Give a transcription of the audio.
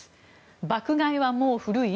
爆買いはもう古い？